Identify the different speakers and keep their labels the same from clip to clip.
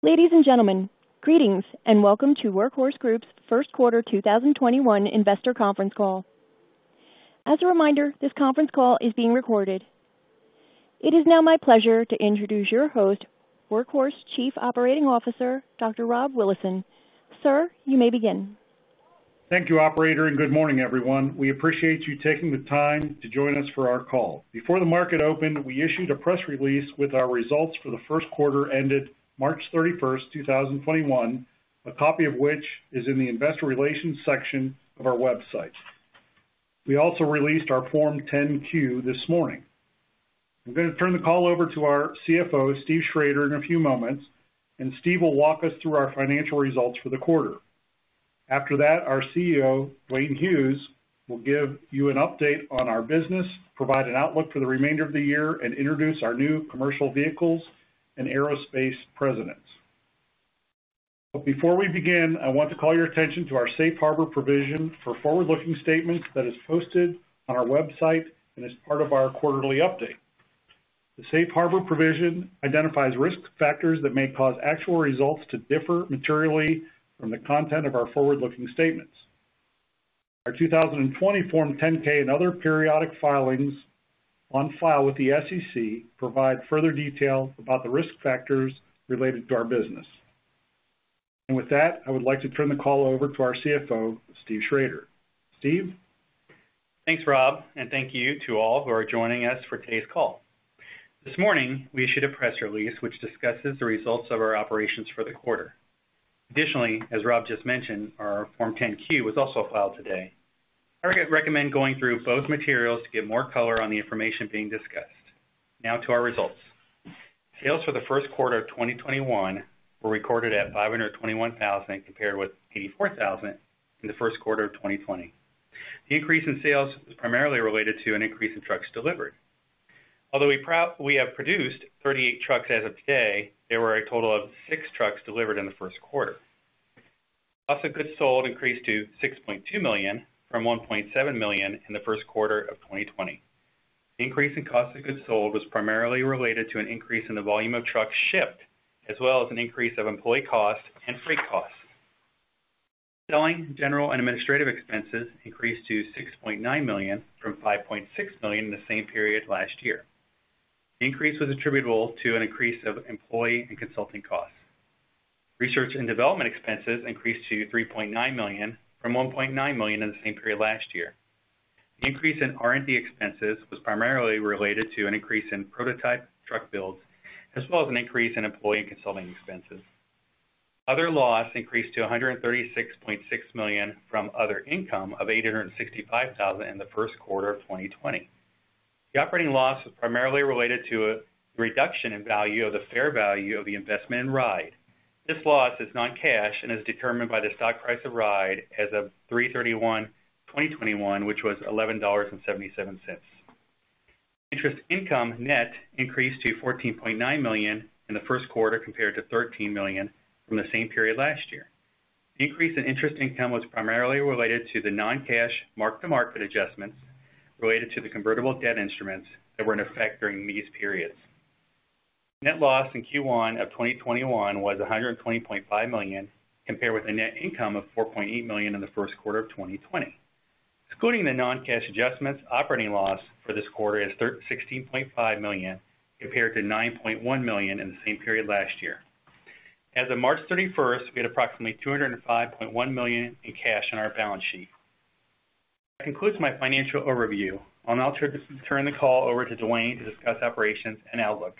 Speaker 1: Ladies and gentlemen, greetings, and welcome to Workhorse Group's first quarter 2021 investor conference call. As a reminder, this conference call is being recorded. It is now my pleasure to introduce your host, Workhorse Chief Operating Officer, Dr. Rob Willison. Sir, you may begin.
Speaker 2: Thank you, operator, and good morning, everyone. We appreciate you taking the time to join us for our call. Before the market opened, we issued a press release with our results for the first quarter ended March 31, 2021, a copy of which is in the investor relations section of our website. We also released our Form 10-Q, this morning. I'm going to turn the call over to our CFO, Steve Schrader, in a few moments, and Steve will walk us through our financial results for the quarter. After that, our CEO, Duane Hughes, will give you an update on our business, provide an outlook for the remainder of the year, and introduce our new Commercial Vehicles and Aerospace presidents. Before we begin, I want to call your attention to our safe harbor provision for forward-looking statements that is posted on our website and is part of our quarterly update. The safe harbor provision identifies risk factors that may cause actual results to differ materially from the content of our forward-looking statements. Our 2020 Form 10-K, and other periodic filings on file with the SEC provide further details about the risk factors related to our business. With that, I would like to turn the call over to our CFO, Steve Schrader. Steve?
Speaker 3: Thanks, Rob, and thank you to all who are joining us for today's call. This morning, we issued a press release which discusses the results of our operations for the quarter. Additionally, as Rob just mentioned, our Form 10-Q, was also filed today. I recommend going through both materials to get more color on the information being discussed. Now to our results. Sales for the first quarter of 2021 were recorded at $521,000 compared with $84,000 in the first quarter of 2020. The increase in sales was primarily related to an increase in trucks delivered. Although we have produced 38 trucks as of today, there were a total of six trucks delivered in the first quarter. Cost of goods sold increased to $6.2 million from $1.7 million in the first quarter of 2020. The increase in cost of goods sold was primarily related to an increase in the volume of trucks shipped, as well as an increase of employee costs and freight costs. Selling, general, and administrative expenses increased to $6.9 million from $5.6 million in the same period last year. The increase was attributable to an increase of employee and consulting costs. Research and development expenses increased to $3.9 million from $1.9 million in the same period last year. The increase in R&D expenses was primarily related to an increase in prototype truck builds, as well as an increase in employee and consulting expenses. Other loss increased to $136.6 million from other income of $865,000 in the first quarter of 2020. The operating loss was primarily related to a reduction in value of the fair value of the investment in RIDE. This loss is non-cash and is determined by the stock price of RIDE as of 3/31/2021, which was $11.77. Interest income net increased to $14.9 million in the first quarter compared to $13 million from the same period last year. The increase in interest income was primarily related to the non-cash mark-to-market adjustments related to the convertible debt instruments that were in effect during these periods. Net loss in Q1 of 2021 was $120.5 million, compared with a net income of $4.8 million in the first quarter of 2020. Excluding the non-cash adjustments, operating loss for this quarter is $16.5 million, compared to $9.1 million in the same period last year. As of March 31, 2021. We had approximately $205.1 million in cash on our balance sheet. That concludes my financial overview. I'll now turn the call over to Duane to discuss operations and outlook.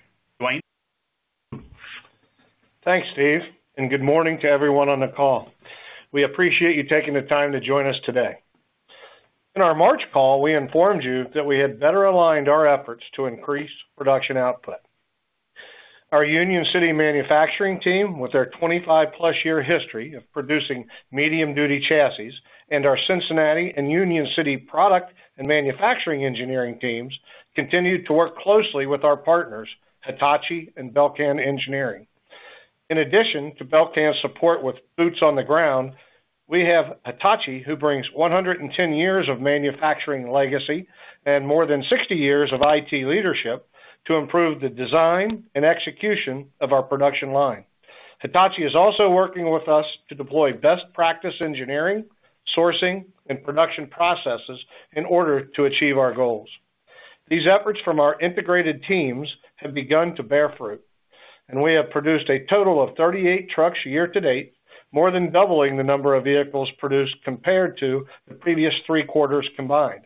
Speaker 3: Duane?
Speaker 4: Thanks, Steve, and good morning to everyone on the call. We appreciate you taking the time to join us today. In our March call, we informed you that we had better aligned our efforts to increase production output. Our Union City manufacturing team, with their 25-plus year history of producing medium-duty chassis, and our Cincinnati and Union City product and manufacturing engineering teams, continue to work closely with our partners, Hitachi and Belcan Engineering. In addition to Belcan's support with boots on the ground, we have Hitachi, who brings 110 years of manufacturing legacy and more than 60 years of IT leadership to improve the design and execution of our production line. Hitachi is also working with us to deploy best practice engineering, sourcing, and production processes in order to achieve our goals. These efforts from our integrated teams have begun to bear fruit, and we have produced a total of 38 trucks year to date, more than doubling the number of vehicles produced compared to the previous three quarters combined.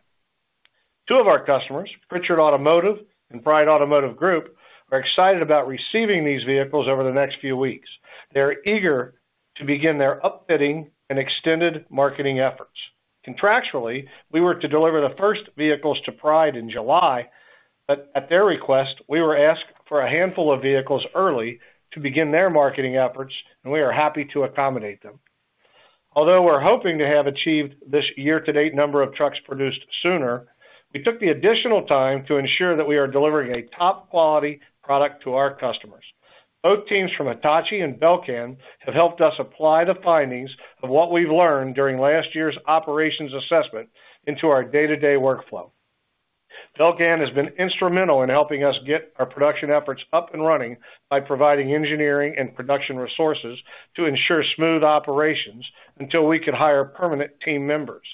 Speaker 4: Two of our customers, Pritchard Companies and Pride Group Enterprises, are excited about receiving these vehicles over the next few weeks. They're eager to begin their upfitting and extended marketing efforts. Contractually, we were to deliver the first vehicles to Pride in July, but at their request, we were asked for a handful of vehicles early to begin their marketing efforts, and we are happy to accommodate them. Although we're hoping to have achieved this year-to-date number of trucks produced sooner, we took the additional time to ensure that we are delivering a top-quality product to our customers. Both teams from Hitachi and Belcan have helped us apply the findings of what we've learned during last year's operations assessment into our day-to-day workflow. Belcan has been instrumental in helping us get our production efforts up and running by providing engineering and production resources to ensure smooth operations until we could hire permanent team members.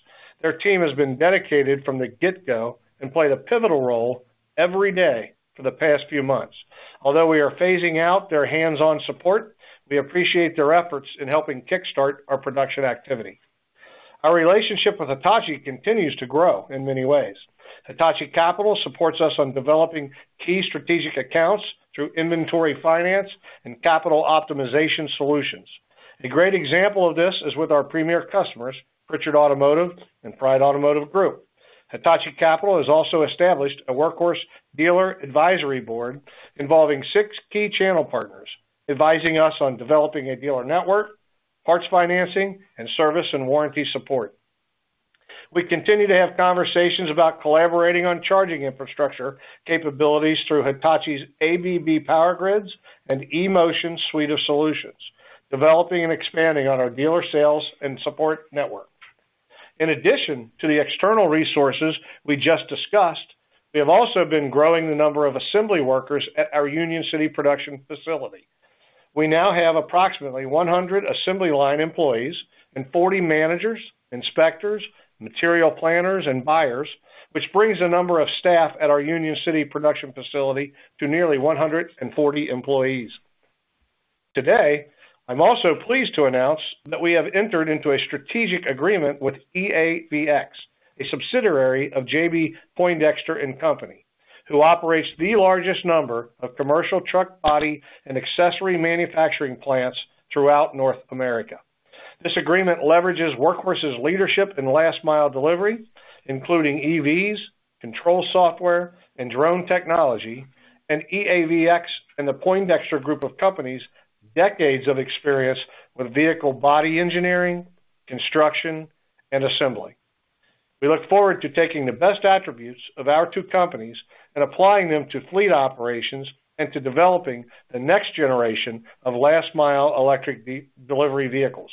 Speaker 4: Their team has been dedicated from the get-go and played a pivotal role every day for the past few months. Although we are phasing out their hands-on support, we appreciate their efforts in helping kickstart our production activity. Our relationship with Hitachi continues to grow in many ways. Hitachi Capital supports us on developing key strategic accounts through inventory finance and capital optimization solutions. A great example of this is with our premier customers, Pritchard Automotive and Pride Automotive Group. Hitachi Capital has also established a Workhorse dealer advisory board involving six key channel partners, advising us on developing a dealer network, parts financing, and service and warranty support. We continue to have conversations about collaborating on charging infrastructure capabilities through Hitachi ABB Power Grids and Grid-eMotion suite of solutions, developing and expanding on our dealer sales and support network. In addition to the external resources we just discussed, we have also been growing the number of assembly workers at our Union City production facility. We now have approximately 100 assembly line employees and 40 managers, inspectors, material planners, and buyers, which brings the number of staff at our Union City production facility to nearly 140 employees. Today, I'm also pleased to announce that we have entered into a strategic agreement with EAVX, a subsidiary of J.B. Poindexter & Co., who operates the largest number of commercial truck body and accessory manufacturing plants throughout North America. This agreement leverages Workhorse's leadership in last-mile delivery, including EVs, control software, and drone technology, and EAVX and the Poindexter group of companies' decades of experience with vehicle body engineering, construction, and assembly. We look forward to taking the best attributes of our two companies and applying them to fleet operations and to developing the next generation of last-mile electric delivery vehicles.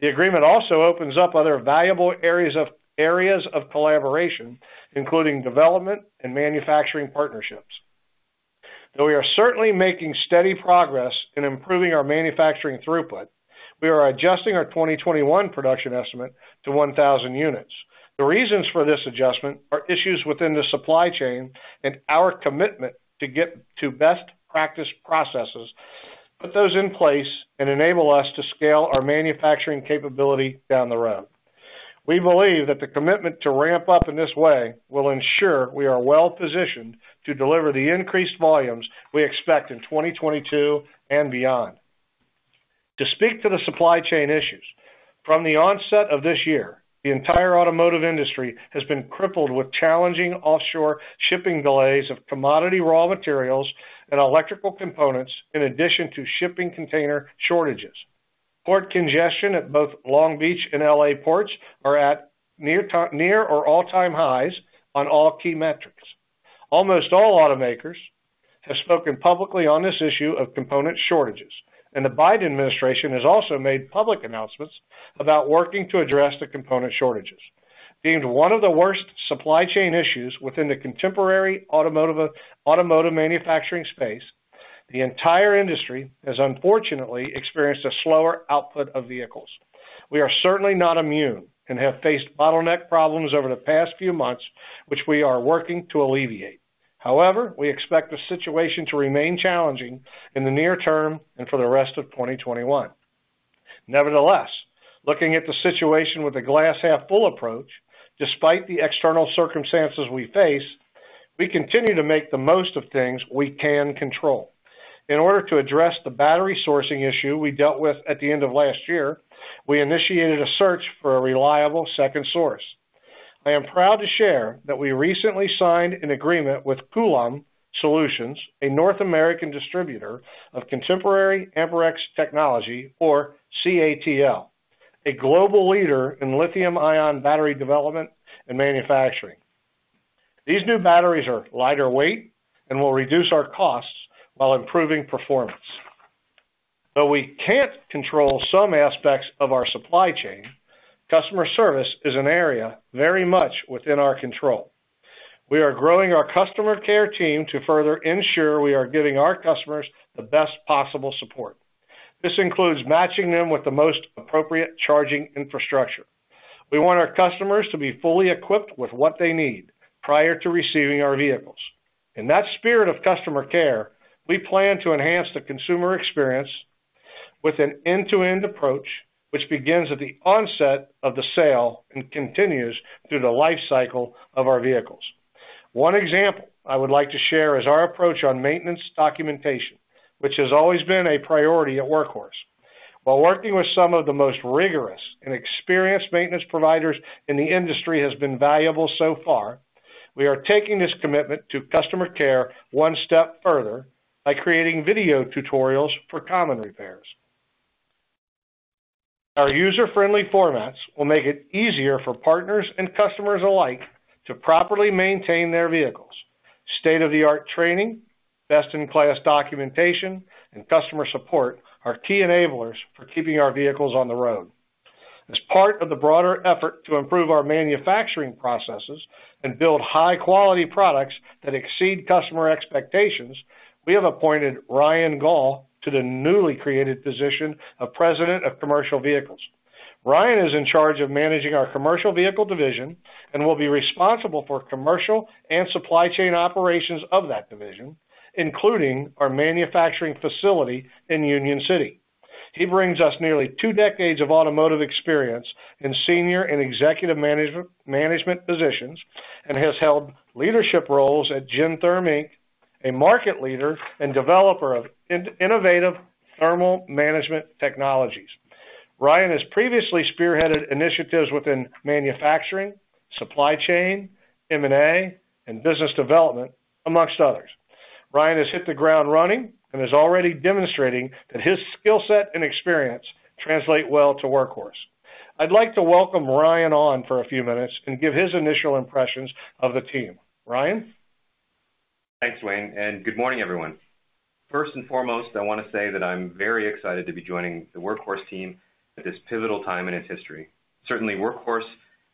Speaker 4: The agreement also opens up other valuable areas of collaboration, including development and manufacturing partnerships. Though we are certainly making steady progress in improving our manufacturing throughput, we are adjusting our 2021 production estimate to 1,000 units. The reasons for this adjustment are issues within the supply chain and our commitment to get to best practice processes, put those in place, and enable us to scale our manufacturing capability down the road. We believe that the commitment to ramp up in this way will ensure we are well-positioned to deliver the increased volumes we expect in 2022 and beyond. To speak to the supply chain issues, from the onset of this year, the entire automotive industry has been crippled with challenging offshore shipping delays of commodity raw materials and electrical components, in addition to shipping container shortages. Port congestion at both Long Beach and L.A. ports are at near or all-time highs on all key metrics. Almost all automakers have spoken publicly on this issue of component shortages, and the Biden administration has also made public announcements about working to address the component shortages. Being one of the worst supply chain issues within the contemporary automotive manufacturing space, the entire industry has unfortunately experienced a slower output of vehicles. We are certainly not immune and have faced bottleneck problems over the past few months, which we are working to alleviate. However, we expect the situation to remain challenging in the near term and for the rest of 2021. Nevertheless, looking at the situation with a glass half full approach, despite the external circumstances we face, we continue to make the most of things we can control. In order to address the battery sourcing issue we dealt with at the end of last year, we initiated a search for a reliable second source. I am proud to share that we recently signed an agreement with Coulomb Solutions, a North American distributor of Contemporary Amperex Technology, or CATL, a global leader in lithium-ion battery development and manufacturing. These new batteries are lighter weight and will reduce our costs while improving performance. Though we can't control some aspects of our supply chain, customer service is an area very much within our control. We are growing our customer care team to further ensure we are giving our customers the best possible support. This includes matching them with the most appropriate charging infrastructure. We want our customers to be fully equipped with what they need prior to receiving our vehicles. In that spirit of customer care, we plan to enhance the consumer experience with an end-to-end approach, which begins at the onset of the sale and continues through the life cycle of our vehicles. One example I would like to share is our approach on maintenance documentation, which has always been a priority at Workhorse. While working with some of the most rigorous and experienced maintenance providers in the industry has been valuable so far, we are taking this commitment to customer care one step further by creating video tutorials for common repairs. Our user-friendly formats will make it easier for partners and customers alike to properly maintain their vehicles. State-of-the-art training, best-in-class documentation, and customer support are key enablers for keeping our vehicles on the road. As part of the broader effort to improve our manufacturing processes and build high-quality products that exceed customer expectations, we have appointed Ryan Gaul to the newly created position of President of Commercial Vehicles. Ryan is in charge of managing our commercial vehicle division and will be responsible for commercial and supply chain operations of that division, including our manufacturing facility in Union City. He brings us nearly two decades of automotive experience in senior and executive management positions, and has held leadership roles at Gentherm Inc, a market leader and developer of innovative thermal management technologies. Ryan has previously spearheaded initiatives within manufacturing, supply chain, M&A, and business development, amongst others. Ryan has hit the ground running and is already demonstrating that his skillset and experience translate well to Workhorse. I'd like to welcome Ryan on for a few minutes and give his initial impressions of the team. Ryan?
Speaker 5: Thanks, Duane, and good morning, everyone. First and foremost, I want to say that I'm very excited to be joining the Workhorse team at this pivotal time in its history. Certainly, Workhorse,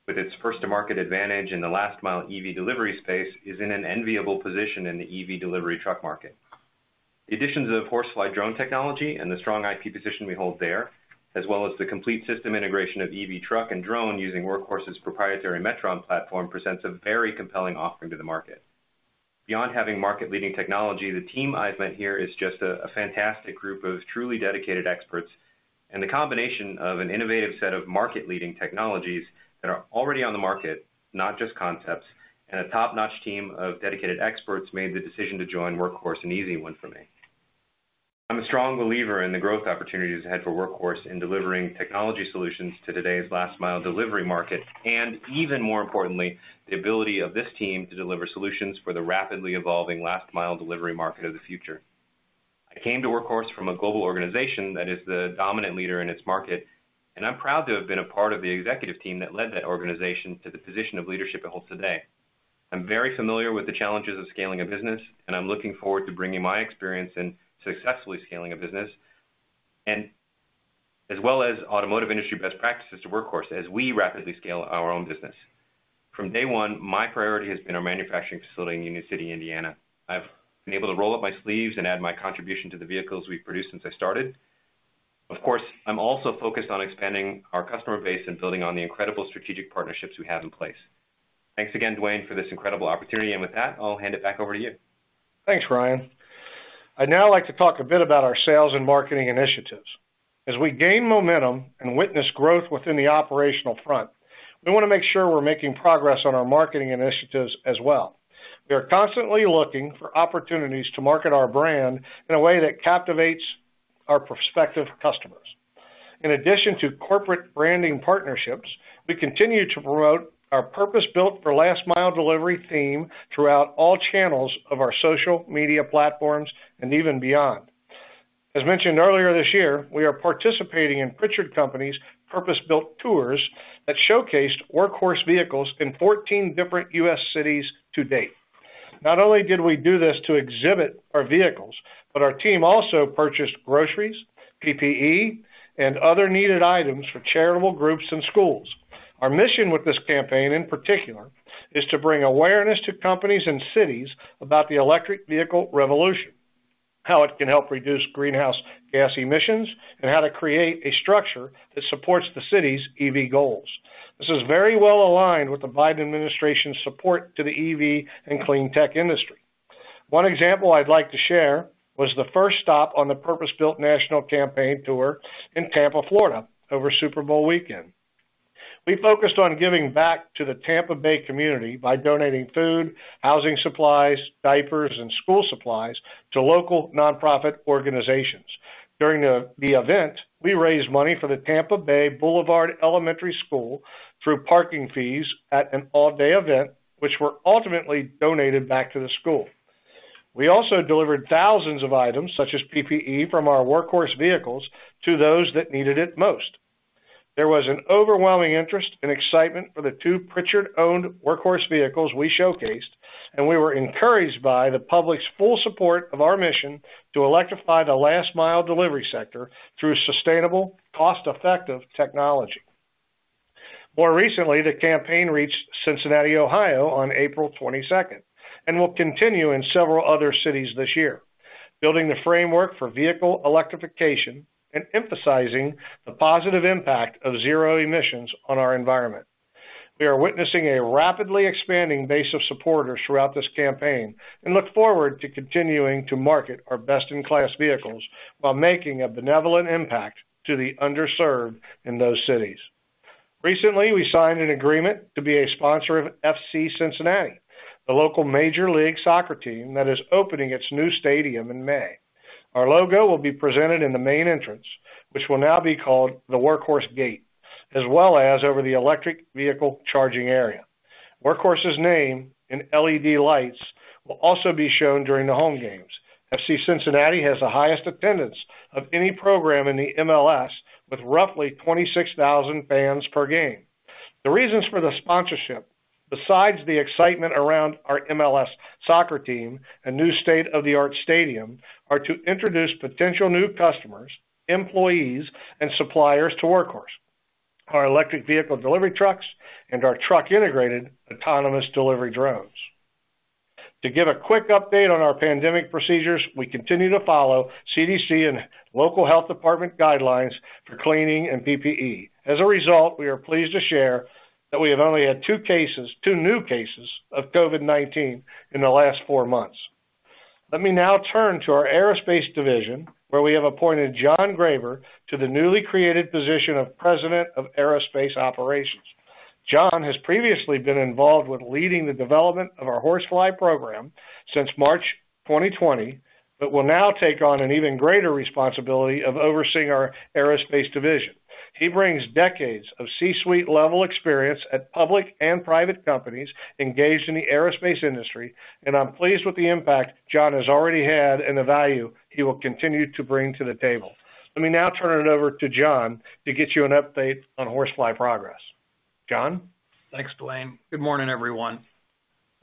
Speaker 5: with its first to market advantage in the last mile EV delivery space, is in an enviable position in the EV delivery truck market. The additions of HorseFly drone technology and the strong IP position we hold there, as well as the complete system integration of EV truck and drone using Workhorse's proprietary Metron platform, presents a very compelling offering to the market. Beyond having market leading technology, the team I've met here is just a fantastic group of truly dedicated experts, and the combination of an innovative set of market leading technologies that are already on the market, not just concepts, and a top-notch team of dedicated experts made the decision to join Workhorse an easy one for me. I'm a strong believer in the growth opportunities ahead for Workhorse in delivering technology solutions to today's last mile delivery market, and even more importantly, the ability of this team to deliver solutions for the rapidly evolving last mile delivery market of the future. I came to Workhorse from a global organization that is the dominant leader in its market, and I'm proud to have been a part of the executive team that led that organization to the position of leadership it holds today. I'm very familiar with the challenges of scaling a business, and I'm looking forward to bringing my experience in successfully scaling a business, and as well as automotive industry best practices to Workhorse as we rapidly scale our own business. From day one, my priority has been our manufacturing facility in Union City, Indiana. I've been able to roll up my sleeves and add my contribution to the vehicles we've produced since I started. Of course, I'm also focused on expanding our customer base and building on the incredible strategic partnerships we have in place. Thanks again, Duane, for this incredible opportunity. With that, I'll hand it back over to you.
Speaker 4: Thanks, Ryan. I'd now like to talk a bit about our sales and marketing initiatives. As we gain momentum and witness growth within the operational front, we want to make sure we're making progress on our marketing initiatives as well. We are constantly looking for opportunities to market our brand in a way that captivates our prospective customers. In addition to corporate branding partnerships, we continue to promote our purpose-built for last mile delivery theme throughout all channels of our social media platforms and even Beyond. As mentioned earlier this year, we are participating in Pritchard Companies' purpose-built tours that showcased Workhorse vehicles in 14 different U.S. cities to date. Not only did we do this to exhibit our vehicles, our team also purchased groceries, PPE, and other needed items for charitable groups and schools. Our mission with this campaign in particular, is to bring awareness to companies and cities about the electric vehicle revolution, how it can help reduce greenhouse gas emissions, and how to create a structure that supports the city's EV goals. This is very well aligned with the Biden administration's support to the EV and clean tech industry. One example I'd like to share was the first stop on the purpose-built national campaign tour in Tampa, Florida over Super Bowl weekend. We focused on giving back to the Tampa Bay community by donating food, housing supplies, diapers, and school supplies to local nonprofit organizations. During the event, we raised money for the Tampa Bay Boulevard Elementary School through parking fees at an all-day event, which were ultimately donated back to the school. We also delivered thousands of items, such as PPE from our Workhorse vehicles, to those that needed it most. There was an overwhelming interest and excitement for the two Pritchard-owned Workhorse vehicles we showcased, and we were encouraged by the public's full support of our mission to electrify the last-mile delivery sector through sustainable, cost-effective technology. More recently, the campaign reached Cincinnati, Ohio on April 22, 2021, and will continue in several other cities this year, building the framework for vehicle electrification and emphasizing the positive impact of zero emissions on our environment. We are witnessing a rapidly expanding base of supporters throughout this campaign and look forward to continuing to market our best-in-class vehicles while making a benevolent impact to the underserved in those cities. Recently, we signed an agreement to be a sponsor of FC Cincinnati, the local Major League Soccer team that is opening its new stadium in May. Our logo will be presented in the main entrance, which will now be called the Workhorse Gate, as well as over the electric vehicle charging area. Workhorse's name in LED lights will also be shown during the home games. FC Cincinnati has the highest attendance of any program in the MLS, with roughly 26,000 fans per game. The reasons for the sponsorship, besides the excitement around our MLS soccer team and new state-of-the-art stadium, are to introduce potential new customers, employees, and suppliers to Workhorse, our electric vehicle delivery trucks, and our truck-integrated autonomous delivery drones. To give a quick update on our pandemic procedures, we continue to follow CDC and local health department guidelines for cleaning and PPE. As a result, we are pleased to share that we have only had two new cases of COVID-19 in the last four months. Let me now turn to our aerospace division, where we have appointed John Graber to the newly created position of President of Aerospace Operations. John has previously been involved with leading the development of our HorseFly program since March 2020, but will now take on an even greater responsibility of overseeing our aerospace division. He brings decades of C-suite level experience at public and private companies engaged in the aerospace industry, and I'm pleased with the impact John has already had and the value he will continue to bring to the table. Let me now turn it over to John to get you an update on HorseFly progress. John?
Speaker 6: Thanks, Duane. Good morning, everyone.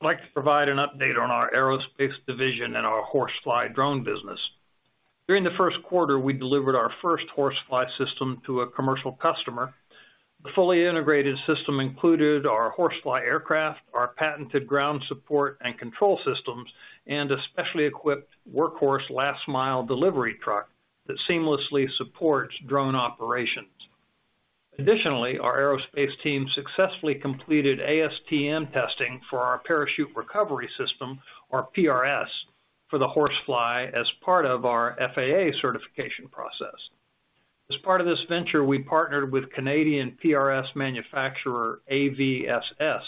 Speaker 6: I'd like to provide an update on our aerospace division and our HorseFly drone business. During the first quarter, we delivered our first HorseFly system to a commercial customer. The fully integrated system included our HorseFly aircraft, our patented ground support and control systems, and a specially equipped Workhorse last mile delivery truck that seamlessly supports drone operations. Our aerospace team successfully completed ASTM testing for our Parachute Recovery System, or PRS, for the HorseFly as part of our FAA certification process. As part of this venture, we partnered with Canadian PRS manufacturer, AVSS.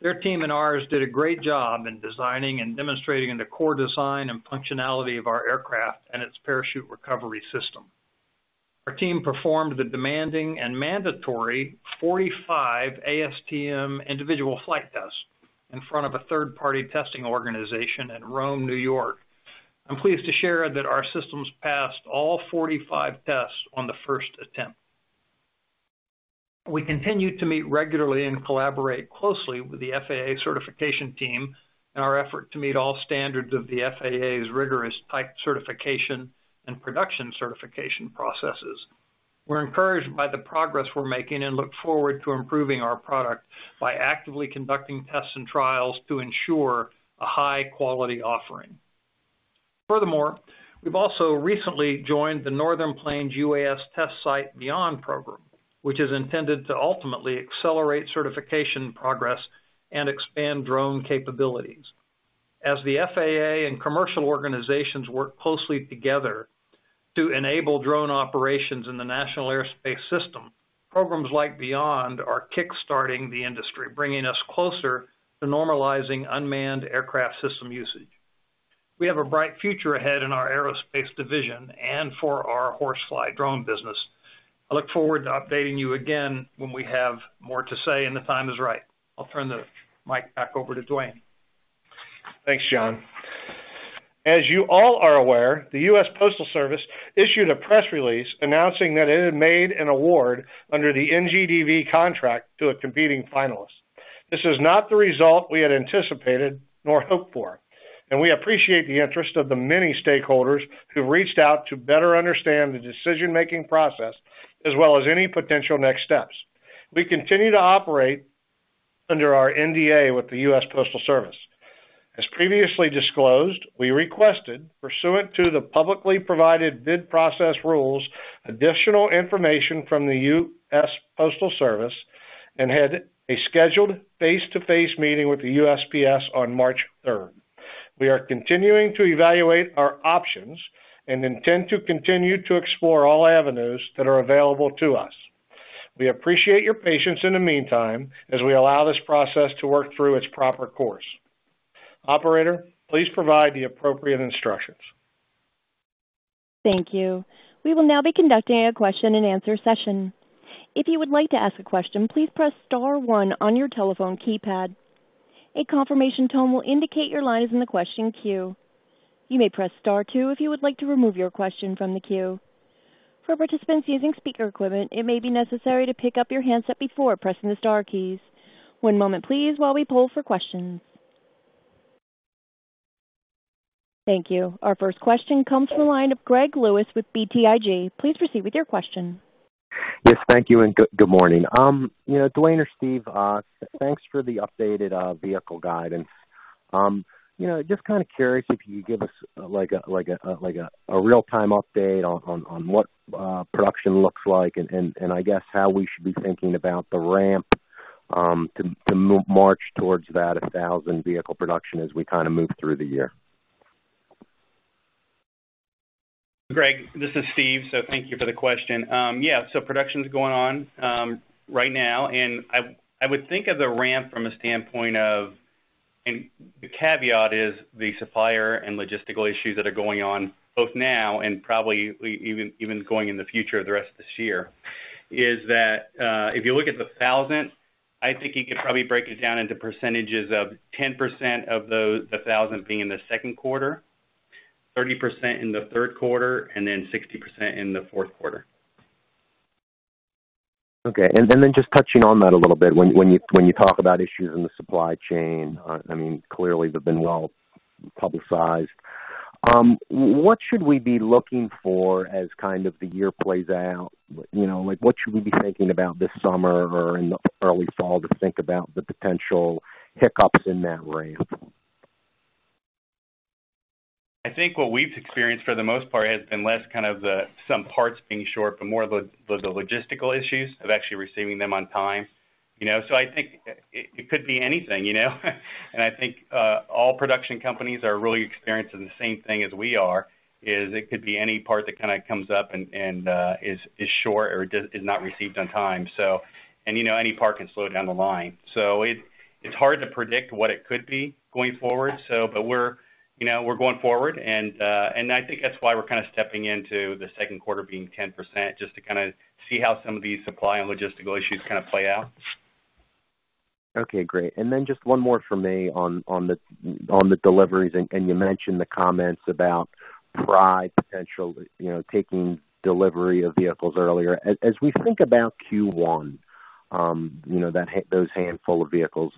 Speaker 6: Their team and ours did a great job in designing and demonstrating the core design and functionality of our aircraft and its parachute recovery system. Our team performed the demanding and mandatory 45 ASTM individual flight tests in front of a third-party testing organization in Rome, New York. I'm pleased to share that our systems passed all 45 tests on the first attempt. We continue to meet regularly and collaborate closely with the FAA certification team in our effort to meet all standards of the FAA's rigorous type certification and production certification processes. We're encouraged by the progress we're making and look forward to improving our product by actively conducting tests and trials to ensure a high-quality offering. Furthermore, we've also recently joined the Northern Plains UAS Test Site Beyond program, which is intended to ultimately accelerate certification progress and expand drone capabilities. As the FAA and commercial organizations work closely together to enable drone operations in the National Airspace System, programs like Beyond are kick-starting the industry, bringing us closer to normalizing unmanned aircraft system usage. We have a bright future ahead in our aerospace division and for our HorseFly drone business. I look forward to updating you again when we have more to say and the time is right. I'll turn the mic back over to Duane.
Speaker 4: Thanks, John. As you all are aware, the U.S. Postal Service issued a press release announcing that it had made an award under the NGDV contract to a competing finalist. This is not the result we had anticipated nor hoped for, and we appreciate the interest of the many stakeholders who reached out to better understand the decision-making process as well as any potential next steps. We continue to operate under our NDA with the U.S. Postal Service. As previously disclosed, we requested, pursuant to the publicly provided bid process rules, additional information from the U.S. Postal Service and had a scheduled face-to-face meeting with the USPS on March 3, 2021. We are continuing to evaluate our options and intend to continue to explore all avenues that are available to us. We appreciate your patience in the meantime, as we allow this process to work through its proper course. Operator, please provide the appropriate instructions.
Speaker 1: Thank you. We will now begine our Q&A session. If you will like to ask a question press star one on your telephone keypad. A confirmation tone will incate your line is in the question queue. You may press star two if you will like to remove your question from the queue. For participants using speaker equipment, it may be necessary to pick up your handset before pressing star keys. One moment please as we pull for questions. Our first question comes from the line of Greg Lewis with BTIG. Please proceed with your question.
Speaker 7: Yes, thank you. Good morning. Duane or Steve, thanks for the updated vehicle guidance. Just kind of curious if you could give us a real-time update on what production looks like and, I guess, how we should be thinking about the ramp to march towards that 1,000 vehicle production as we move through the year.
Speaker 3: Greg, this is Steve. Thank you for the question. Production's going on right now, and I would think of the ramp from a standpoint of, and the caveat is the supplier and logistical issues that are going on both now and probably even going in the future, the rest of this year, is that if you look at the 1,000, I think you could probably break it down into percentages of 10% of the 1,000 being in the second quarter 30% in the third quarter and then 60% in the fourth quarter.
Speaker 7: Okay. Just touching on that a little bit, when you talk about issues in the supply chain, clearly they've been well-publicized. What should we be looking for as the year plays out? What should we be thinking about this summer or in the early fall to think about the potential hiccups in that ramp?
Speaker 3: I think what we've experienced for the most part has been less some parts being short, but more of the logistical issues of actually receiving them on time. I think it could be anything. I think all production companies are really experiencing the same thing as we are, is it could be any part that comes up and is short or is not received on time. Any part can slow down the line. It's hard to predict what it could be going forward. We're going forward, and I think that's why we're stepping into the second quarter being 10%, just to see how some of these supply and logistical issues play out.
Speaker 7: Okay, great. Just one more from me on the deliveries, and you mentioned the comments about Pride potentially taking delivery of vehicles earlier. As we think about Q1, those handful of vehicles,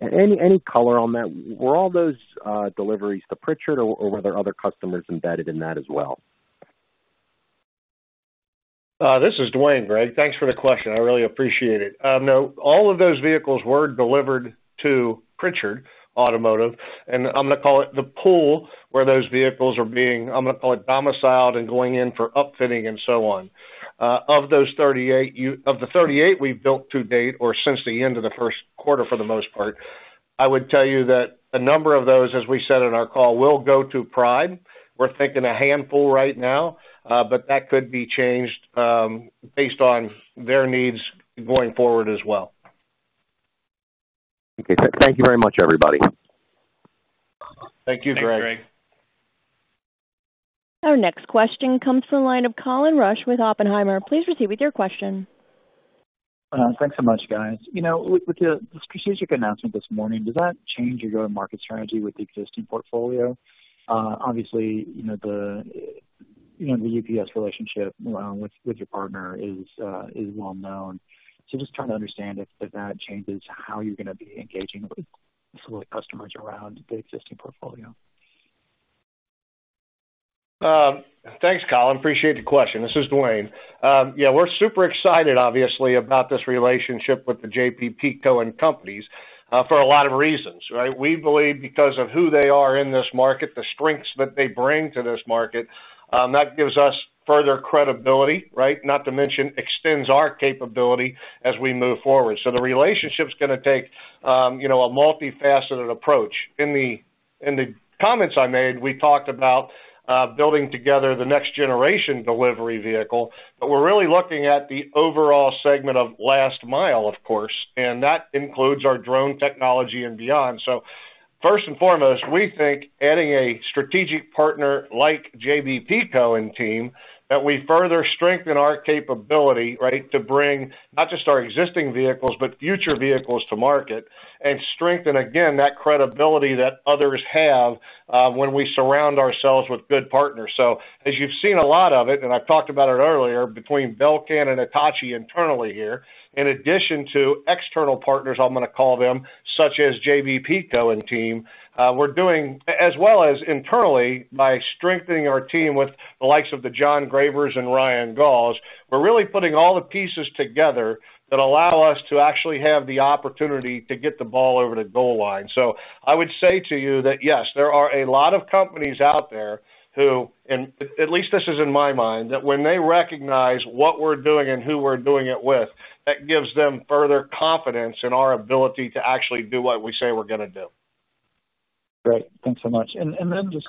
Speaker 7: any color on that? Were all those deliveries to Pritchard, or were there other customers embedded in that as well?
Speaker 4: This is Duane, Greg. Thanks for the question. I really appreciate it. No, all of those vehicles were delivered to Pritchard Companies, and I'm going to call it the pool where those vehicles are being, I'm going to call it domiciled and going in for upfitting and so on. Of the 38 we've built to date, or since the end of the first quarter for the most part, I would tell you that a number of those, as we said in our call, will go to Pride. We're thinking a handful right now but that could be changed based on their needs going forward as well.
Speaker 7: Okay. Thank you very much, everybody.
Speaker 4: Thank you, Greg.
Speaker 3: Thanks, Greg.
Speaker 1: Our next question comes from the line of Colin Rusch with Oppenheimer. Please proceed with your question.
Speaker 8: Thanks so much, guys. With the strategic announcement this morning, does that change your market strategy with the existing portfolio? Obviously, the UPS relationship with your partner is well-known. Just trying to understand if that changes how you're going to be engaging with some of the customers around the existing portfolio.
Speaker 4: Thanks, Colin. Appreciate the question. This is Duane. Yeah, we're super excited obviously about this relationship with the J.B. Poindexter and companies for a lot of reasons, right? We believe because of who they are in this market, the strengths that they bring to this market, that gives us further credibility, right? Not to mention extends our capability as we move forward. The relationship's going to take a multifaceted approach. In the comments I made, we talked about building together the next generation delivery vehicle, but we're really looking at the overall segment of last mile, of course, and that includes our drone technology and beyond. First and foremost, we think adding a strategic partner like J.B. Poindexter and team, that we further strengthen our capability, right, to bring not just our existing vehicles, but future vehicles to market. Strengthen, again, that credibility that others have when we surround ourselves with good partners. As you've seen a lot of it, and I've talked about it earlier, between Belcan and Hitachi internally here, in addition to external partners, I'm going to call them, such as JP Picco and team. As well as internally by strengthening our team with the likes of the John Graber and Ryan Gaul. We're really putting all the pieces together that allow us to actually have the opportunity to get the ball over the goal line. I would say to you that, yes, there are a lot of companies out there who, at least this is in my mind, that when they recognize what we're doing and who we're doing it with, that gives them further confidence in our ability to actually do what we say we're going to do.
Speaker 8: Great. Thanks so much. Just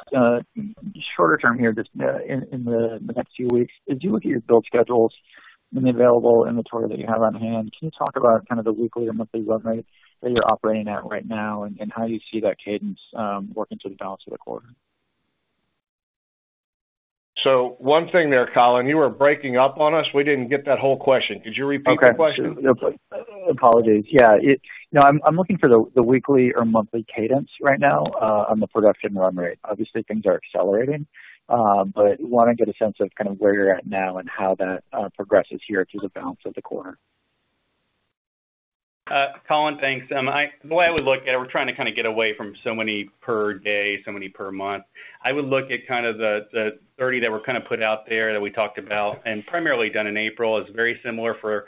Speaker 8: shorter term here, just in the next few weeks, as you look at your build schedules and the available inventory that you have on hand, can you talk about the weekly or monthly run rate that you're operating at right now, and how you see that cadence working through the balance of the quarter?
Speaker 4: One thing there, Colin, you were breaking up on us. We didn't get that whole question. Could you repeat the question?
Speaker 8: Okay. Apologies. Yeah. I'm looking for the weekly or monthly cadence right now on the production run rate. Obviously, things are accelerating but want to get a sense of where you're at now and how that progresses here through the balance of the quarter.
Speaker 3: Colin, thanks. The way I would look at it, we're trying to get away from so many per day, so many per month. I would look at the 30 that were put out there that we talked about and primarily done in April is very similar for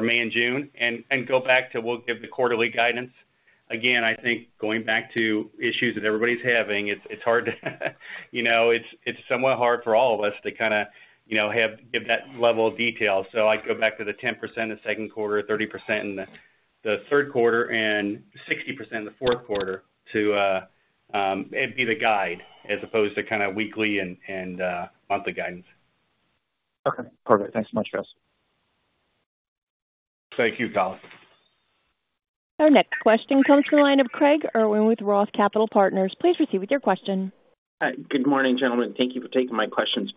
Speaker 3: May and June. Go back to we'll give the quarterly guidance. Again, I think going back to issues that everybody's having, it's somewhat hard for all of us to give that level of detail. I'd go back to the 10% the second quarter, 30% in the third quarter, and 60% in the fourth quarter to be the guide as opposed to weekly and monthly guidance.
Speaker 8: Okay, perfect. Thanks so much, Schrader.
Speaker 4: Thank you, Colin.
Speaker 1: Our next question comes from the line of Craig Irwin with ROTH Capital Partners. Please proceed with your question.
Speaker 9: Hi. Good morning, gentlemen. Thank you for taking my questions.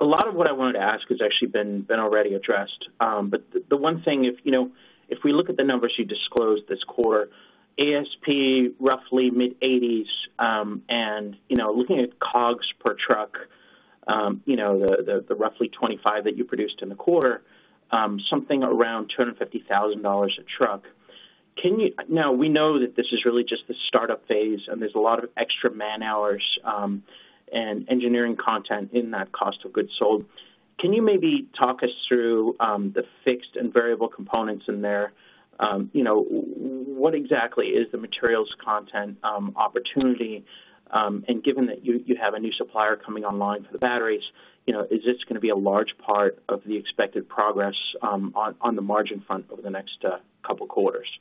Speaker 9: A lot of what I wanted to ask has actually been already addressed. The one thing, if we look at the numbers you disclosed this quarter, ASP roughly mid-80s, and looking at COGS per truck, the roughly 25 that you produced in the quarter, something around $230,000 a truck. We know that this is really just the startup phase, and there's a lot of extra man-hours and engineering content in that cost of goods sold. Can you maybe talk us through the fixed and variable components in there? What exactly is the materials content opportunity? Given that you have a new supplier coming online for the batteries, is this going to be a large part of the expected progress on the margin front over the next couple of quarters?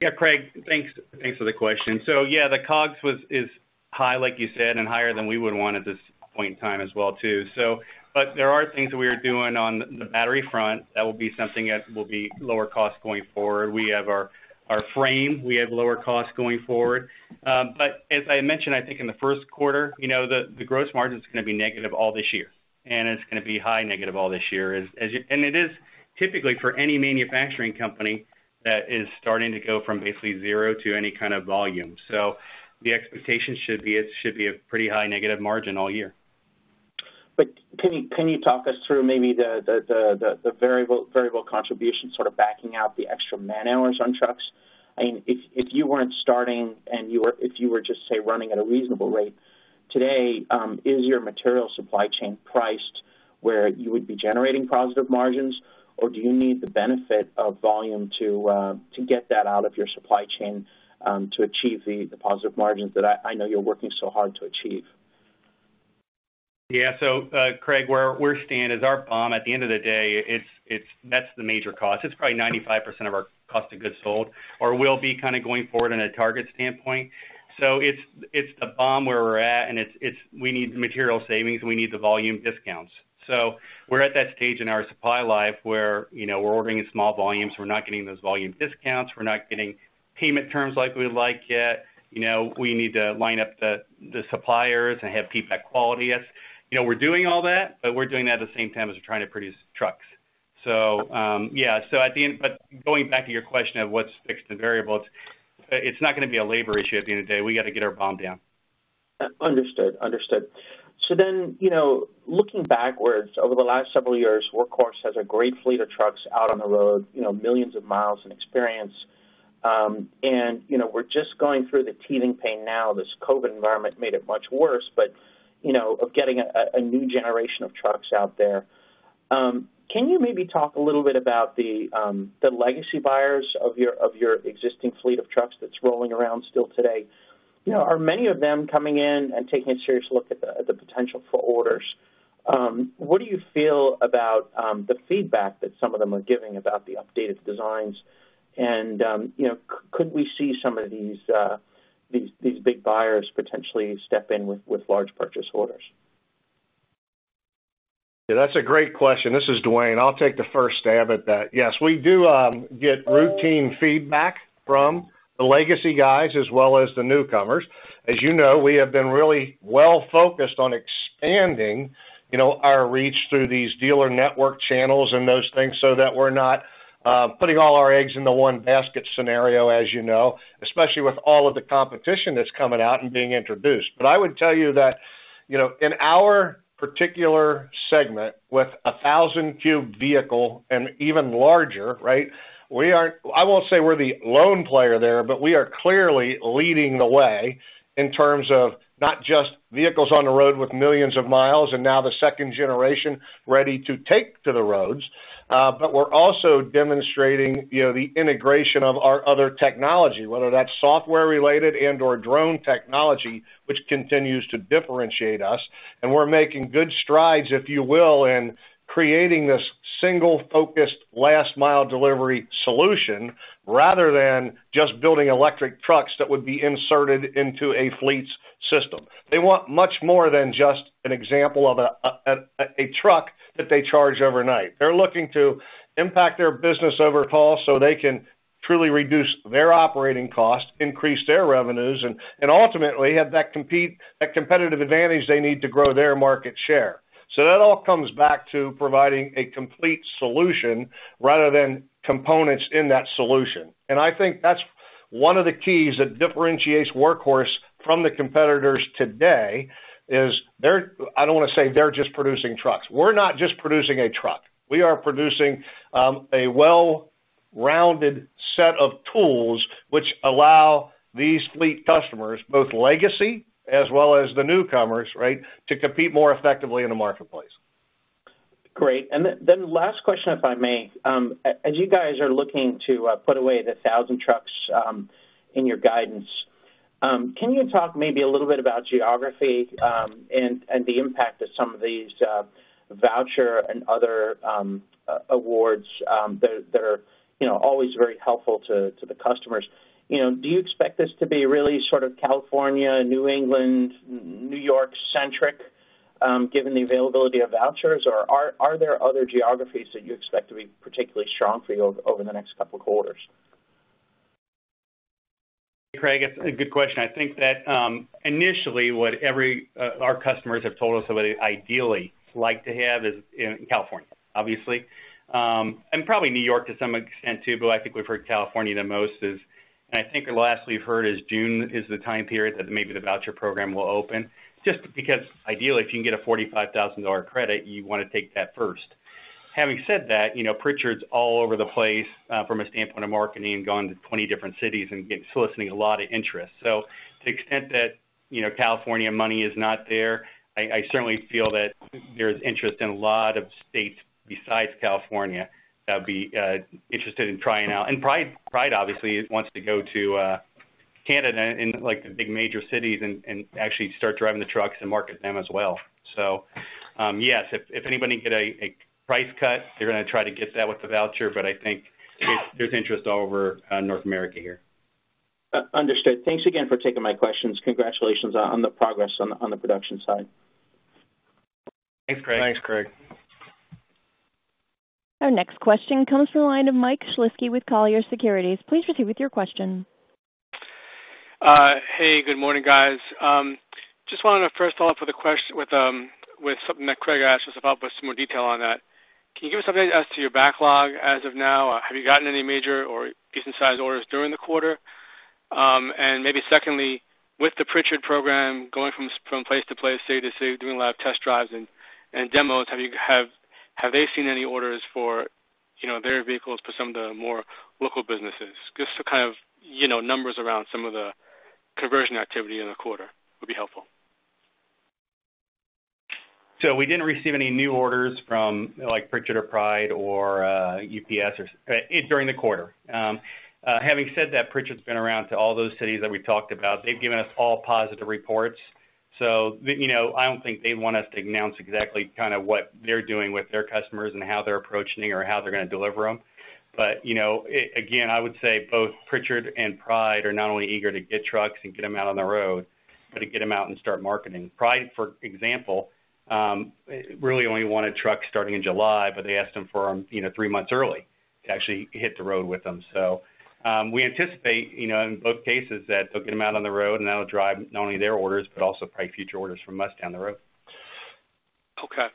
Speaker 3: Yeah, Craig, thanks for the question. Yeah, the COGS is high, like you said, and higher than we would want at this point in time as well too. There are things that we are doing on the battery front that will be something that will be lower cost going forward. We have our frame, we have lower costs going forward. As I mentioned, I think in the first quarter, the gross margin is going to be negative all this year, and it's going to be high negative all this year. It is typically for any manufacturing company that is starting to go from basically zero to any kind of volume. The expectation should be a pretty high negative margin all year.
Speaker 9: Can you talk us through maybe the variable contribution, sort of backing out the extra man-hours on trucks? If you weren't starting and if you were just, say, running at a reasonable rate today, is your material supply chain priced where you would be generating positive margins, or do you need the benefit of volume to get that out of your supply chain to achieve the positive margins that I know you're working so hard to achieve?
Speaker 3: Craig, where we stand is our BOM, at the end of the day, that's the major cost. It's probably 95% of our cost of goods sold, or will be going forward in a target standpoint. It's the BOM where we're at, and we need the material savings, we need the volume discounts. We're at that stage in our supply life where we're ordering in small volumes. We're not getting those volume discounts. We're not getting payment terms like we would like yet. We need to line up the suppliers and have people at quality. We're doing all that, but we're doing that at the same time as we're trying to produce trucks. Going back to your question of what's fixed and variable, it's not going to be a labor issue at the end of the day. We got to get our BOM down.
Speaker 9: Understood. Looking backwards over the last several years, Workhorse has a great fleet of trucks out on the road, millions of miles in experience. We're just going through the teething pain now. This COVID environment made it much worse, but of getting a new generation of trucks out there. Can you maybe talk a little bit about the legacy buyers of your existing fleet of trucks that's rolling around still today? Are many of them coming in and taking a serious look at the potential for orders? What do you feel about the feedback that some of them are giving about the updated designs? Could we see some of these big buyers potentially step in with large purchase orders?
Speaker 4: Yeah, that's a great question. This is Duane. I'll take the first stab at that. We do get routine feedback from the legacy guys as well as the newcomers. As you know, we have been really well-focused on expanding our reach through these dealer network channels and those things so that we're not putting all our eggs in the one basket scenario, as you know, especially with all of the competition that's coming out and being introduced. I would tell you that in our particular segment, with 1,000 cubed vehicle and even larger, I won't say we're the lone player there, but we are clearly leading the way in terms of not just vehicles on the road with millions of miles and now the second generation ready to take to the roads. We're also demonstrating the integration of our other technology, whether that's software related and/or drone technology, which continues to differentiate us. We're making good strides, if you will, in creating this single-focused last mile delivery solution, rather than just building electric trucks that would be inserted into a fleet's system. They want much more than just an example of a truck that they charge overnight. They're looking to impact their business overall so they can truly reduce their operating costs, increase their revenues, and ultimately have that competitive advantage they need to grow their market share. That all comes back to providing a complete solution rather than components in that solution. I think that's one of the keys that differentiates Workhorse from the competitors today is, I don't want to say they're just producing trucks. We're not just producing a truck. We are producing a well-rounded set of tools which allow these fleet customers, both legacy as well as the newcomers, to compete more effectively in the marketplace.
Speaker 9: Great. Then last question, if I may. As you guys are looking to put away the 1,000 trucks in your guidance, can you talk maybe a little bit about geography and the impact that some of these voucher and other awards that are always very helpful to the customers. Do you expect this to be really California, New England, New York centric given the availability of vouchers? Are there other geographies that you expect to be particularly strong for you over the next couple of quarters?
Speaker 3: Craig, it's a good question. I think that initially what our customers have told us they ideally like to have is in California, obviously, and probably New York to some extent, too, but I think we've heard California the most. I think the last we've heard is June is the time period that maybe the voucher program will open. Just because ideally, if you can get a $45,000 credit, you want to take that first. Having said that, Pritchard's all over the place from a standpoint of marketing, going to 20 different cities and soliciting a lot of interest. To the extent that California money is not there, I certainly feel that there's interest in a lot of states besides California that would be interested in trying out. Pride obviously wants to go to Canada in the big major cities and actually start driving the trucks and market them as well. Yes, if anybody can get a price cut, they're going to try to get that with the voucher, but I think there's interest all over North America here.
Speaker 9: Understood. Thanks again for taking my questions. Congratulations on the progress on the production side.
Speaker 3: Thanks, Craig.
Speaker 4: Thanks, Craig.
Speaker 1: Our next question comes from the line of Mike Shlisky with Colliers Securities. Please proceed with your question.
Speaker 10: Hey, good morning, guys. Just wanted to first follow up with a question with something that Craig asked, just to follow up with some more detail on that. Can you give us an update as to your backlog as of now? Have you gotten any major or decent-sized orders during the quarter? Maybe secondly, with the Pritchard program going from place to place, state to state, doing a lot of test drives and demos, have they seen any orders for their vehicles for some of the more local businesses? Just to kind of numbers around some of the conversion activity in the quarter would be helpful.
Speaker 3: We didn't receive any new orders from Pritchard or Pride or UPS during the quarter. Having said that, Pritchard's been around to all those cities that we talked about. They've given us all positive reports. I don't think they want us to announce exactly kind of what they're doing with their customers and how they're approaching it or how they're going to deliver them. Again, I would say both Pritchard and Pride are not only eager to get trucks and get them out on the road, but to get them out and start marketing. Pride, for example, really only wanted trucks starting in July, but they asked them for three months early to actually hit the road with them. We anticipate, in both cases, that they'll get them out on the road, and that'll drive not only their orders, but also probably future orders from us down the road.
Speaker 10: Okay.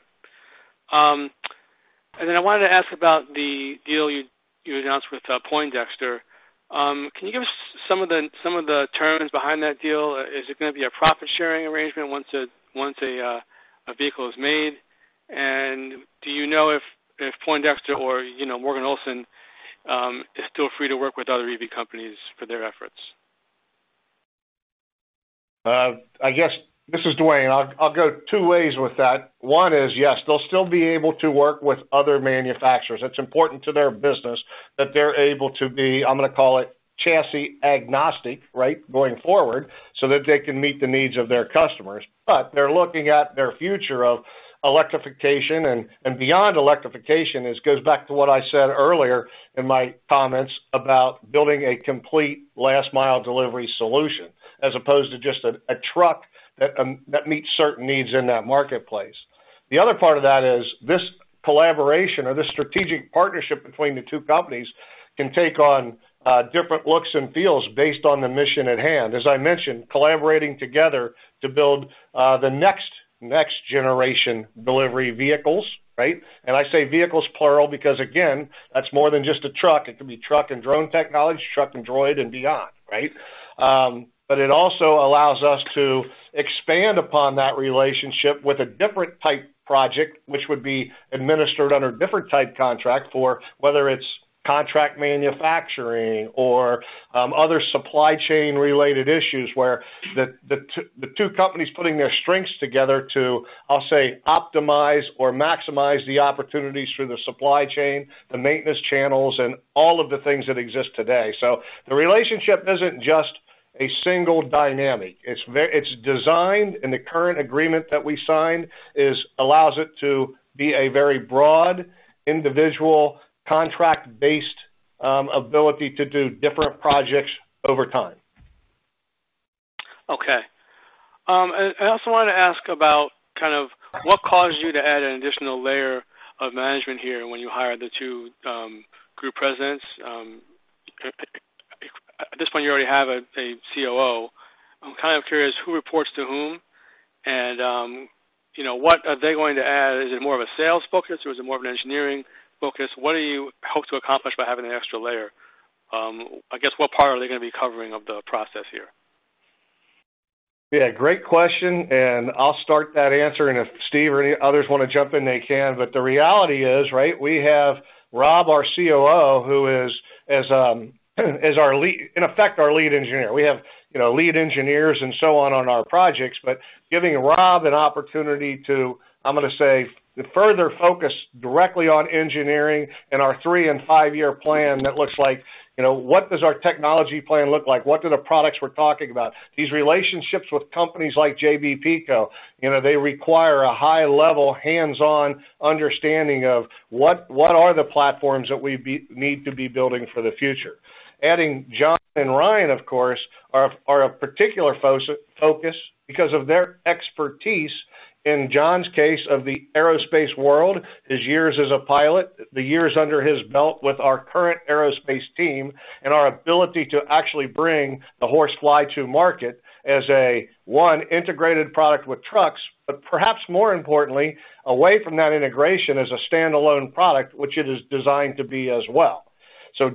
Speaker 10: Then I wanted to ask about the deal you announced with Poindexter. Can you give us some of the terms behind that deal? Is it going to be a profit-sharing arrangement once a vehicle is made? Do you know if Poindexter or Morgan Olson is still free to work with other EV companies for their efforts?
Speaker 4: I guess, this is Duane, I'll go two ways with that. One is, yes, they'll still be able to work with other manufacturers. It's important to their business that they're able to be, I'm going to call it chassis agnostic, going forward, so that they can meet the needs of their customers. They're looking at their future of electrification and beyond electrification. This goes back to what I said earlier in my comments about building a complete last-mile delivery solution as opposed to just a truck that meets certain needs in that marketplace. The other part of that is this collaboration or this strategic partnership between the two companies can take on different looks and feels based on the mission at hand. As I mentioned, collaborating together to build the next generation delivery vehicles, right? I say vehicles plural because again, that's more than just a truck. It can be truck and drone technology, truck and droid and beyond, right? It also allows us to expand upon that relationship with a different type project, which would be administered under a different type contract for whether it's contract manufacturing or other supply chain related issues where the two companies putting their strengths together to, I'll say, optimize or maximize the opportunities through the supply chain, the maintenance channels, and all of the things that exist today. The relationship isn't just a single dynamic. It's designed and the current agreement that we signed allows it to be a very broad individual contract-based ability to do different projects over time.
Speaker 10: Okay. I also wanted to ask about kind of what caused you to add an additional layer of management here when you hired the two group presidents. At this point, you already have a COO. I'm kind of curious who reports to whom and what are they going to add? Is it more of a sales focus or is it more of an engineering focus? What do you hope to accomplish by having an extra layer? I guess, what part are they going to be covering of the process here?
Speaker 4: Great question, and I'll start that answer, and if Steve or any others want to jump in, they can. The reality is we have Rob, our COO, who is in effect our lead engineer. We have lead engineers on our projects, but giving Rob an opportunity to, I'm going to say, further focus directly on engineering and our three and five-year plan that looks like what does our technology plan look like? What do the products we're talking about, these relationships with companies like J.B. Poindexter & Co. they require a high level hands-on understanding of what are the platforms that we need to be building for the future. Adding John and Ryan, of course, are a particular focus because of their expertise, in John's case, of the aerospace world, his years as a pilot, the years under his belt with our current aerospace team, and our ability to actually bring the HorseFly to market as a one integrated product with trucks, but perhaps more importantly, away from that integration as a standalone product, which it is designed to be as well.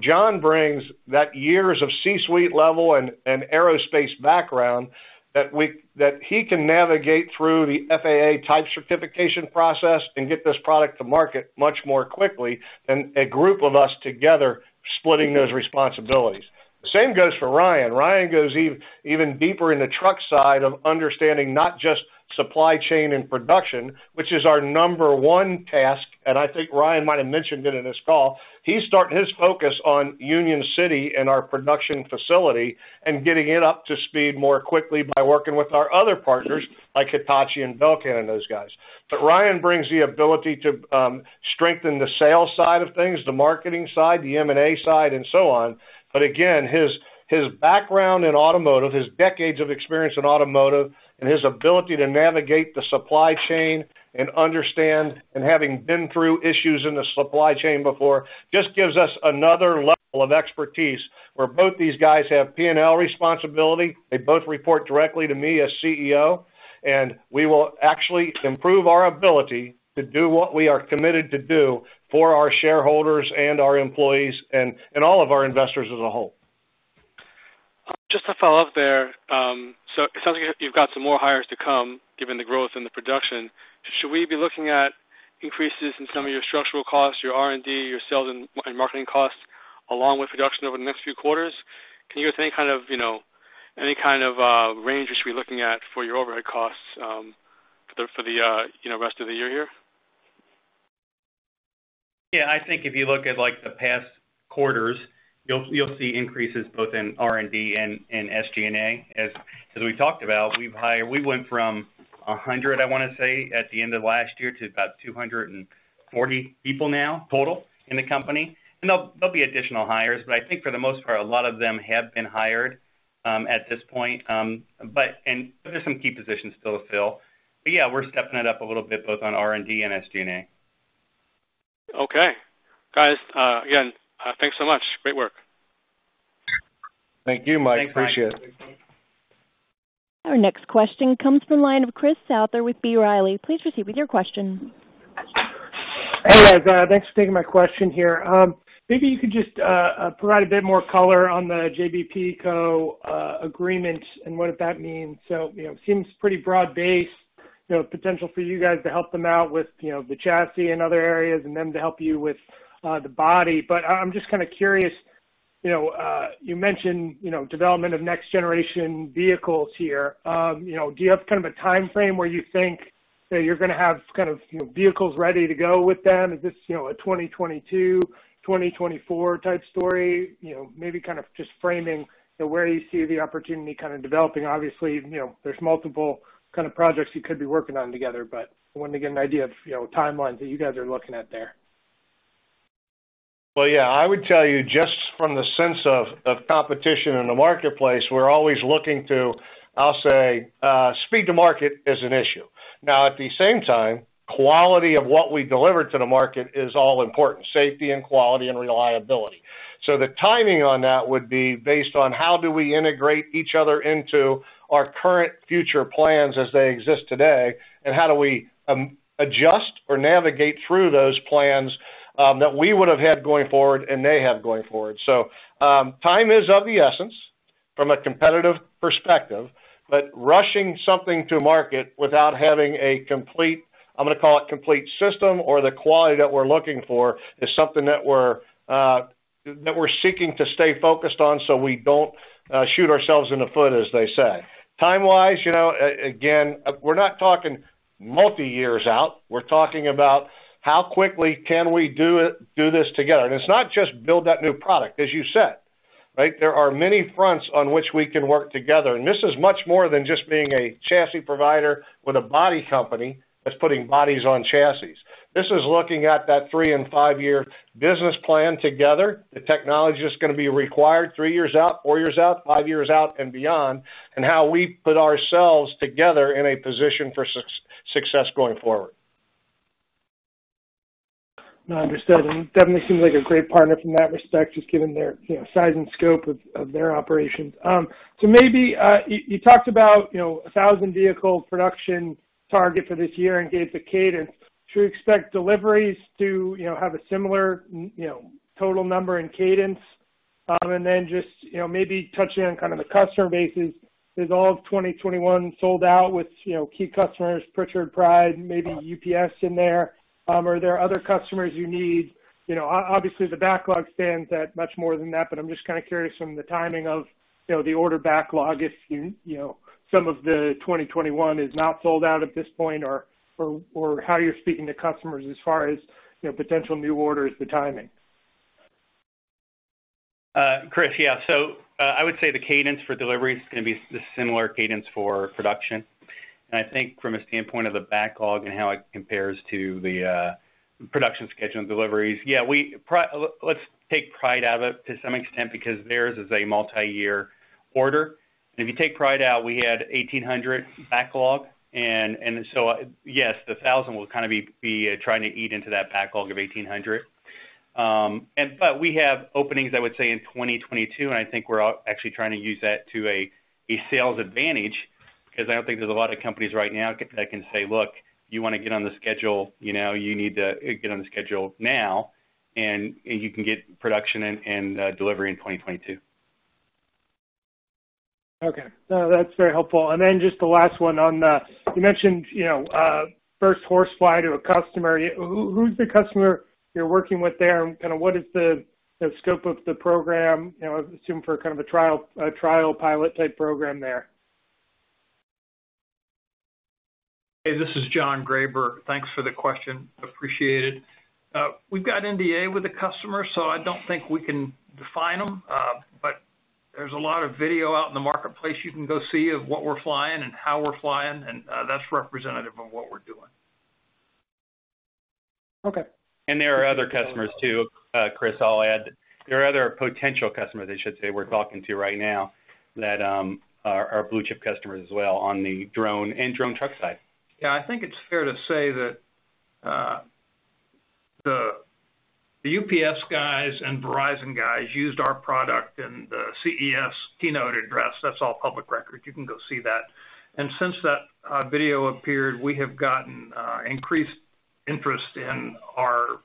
Speaker 4: John brings that years of C-suite level and aerospace background that he can navigate through the FAA type certification process and get this product to market much more quickly than a group of us together splitting those responsibilities. Same goes for Ryan. Ryan goes even deeper in the truck side of understanding not just supply chain and production, which is our number one task, and I think Ryan might have mentioned it in his call. He's starting his focus on Union City and our production facility and getting it up to speed more quickly by working with our other partners like Hitachi and Belcan and those guys. Ryan brings the ability to strengthen the sales side of things, the marketing side, the M&A side, and so on. Again, his background in automotive, his decades of experience in automotive, and his ability to navigate the supply chain and understand, and having been through issues in the supply chain before, just gives us another level of expertise where both these guys have P&L responsibility. They both report directly to me as CEO, and we will actually improve our ability to do what we are committed to do for our shareholders and our employees and all of our investors as a whole.
Speaker 10: Just to follow up there. It sounds like you've got some more hires to come given the growth and the production. Should we be looking at increases in some of your structural costs, your R&D, your sales, and marketing costs, along with production over the next few quarters? Can you give any kind of range we should be looking at for your overhead costs for the rest of the year here?
Speaker 3: Yeah. I think if you look at the past quarters, you'll see increases both in R&D and SG&A. As we talked about, we went from 100, I want to say, at the end of last year, to about 240 people now total in the company. There'll be additional hires, but I think for the most part, a lot of them have been hired at this point. There's some key positions still to fill. Yeah, we're stepping it up a little bit, both on R&D and SG&A.
Speaker 10: Okay. Guys, again, thanks so much. Great work.
Speaker 4: Thank you, Mike. Appreciate it.
Speaker 3: Thanks, Mike.
Speaker 1: Our next question comes from the line of Chris Southall with B. Riley. Please proceed with your question.
Speaker 11: Hey, guys. Thanks for taking my question here. Maybe you could just provide a bit more color on the JBPeco agreement and what that means. It seems pretty broad-based, potential for you guys to help them out with the chassis and other areas and them to help you with the body. I'm just kind of curious, you mentioned development of next generation vehicles here. Do you have kind of a timeframe where you think that you're going to have vehicles ready to go with them? Is this a 2022, 2024 type story? Maybe kind of just framing where you see the opportunity kind of developing. Obviously, there's multiple kind of projects you could be working on together, but I wanted to get an idea of timelines that you guys are looking at there.
Speaker 4: Well, yeah. I would tell you just from the sense of competition in the marketplace, we're always looking to, I'll say, speed to market is an issue. At the same time, quality of what we deliver to the market is all important, safety and quality and reliability. The timing on that would be based on how do we integrate each other into our current future plans as they exist today, and how do we adjust or navigate through those plans that we would've had going forward and they have going forward. Time is of the essence from a competitive perspective, but rushing something to market without having a complete, I'm going to call it complete system or the quality that we're looking for, is something that we're seeking to stay focused on so we don't shoot ourselves in the foot, as they say. Time-wise, again, we're not talking multi years out. We're talking about how quickly can we do this together. It's not just build that new product, as you said, right? There are many fronts on which we can work together, and this is much more than just being a chassis provider with a body company that's putting bodies on chassis. This is looking at that three- and five-year business plan together, the technology that's going to be required three years out, four years out, five years out, and beyond, and how we put ourselves together in a position for success going forward.
Speaker 11: No, understood. Definitely seems like a great partner from that respect, just given their size and scope of their operations. Maybe, you talked about 1,000 vehicle production target for this year and gave the cadence. Should we expect deliveries to have a similar total number and cadence? Then just maybe touching on kind of the customer basis, is all of 2021 sold out with key customers, Pritchard, Pride, maybe UPS in there? Are there other customers you need? Obviously, the backlog stands at much more than that, I'm just kind of curious from the timing of the order backlog if some of the 2021 is not sold out at this point or how you're speaking to customers as far as potential new orders, the timing.
Speaker 3: Chris, yeah. I would say the cadence for delivery is going to be the similar cadence for production. I think from a standpoint of the backlog and how it compares to the production schedule and deliveries, yeah. Let's take Pride out of it to some extent, because theirs is a multi-year order. If you take Pride out, we had 1,800 backlog. Yes, the 1,000 will kind of be trying to eat into that backlog of 1,800. We have openings, I would say, in 2022, and I think we're actually trying to use that to a sales advantage, because I don't think there's a lot of companies right now that can say, "Look, you want to get on the schedule, you need to get on the schedule now, and you can get production and delivery in 2022.
Speaker 11: Okay. No, that's very helpful. just the last one. You mentioned first HorseFly to a customer. Who's the customer you're working with there, and kind of what is the scope of the program? I assume for kind of a trial pilot type program there.
Speaker 6: Hey, this is John Graber. Thanks for the question. Appreciate it. We've got NDA with the customer, I don't think we can define them. There's a lot of video out in the marketplace you can go see of what we're flying and how we're flying, and that's representative of what we're doing.
Speaker 11: Okay.
Speaker 3: There are other customers too, Chris, I'll add. There are other potential customers, I should say, we're talking to right now that are blue-chip customers as well on the drone and drone truck side.
Speaker 6: Yeah, I think it's fair to say that the UPS guys and Verizon guys used our product in the CES keynote address. That's all public record. You can go see that. Since that video appeared, we have gotten increased interest in our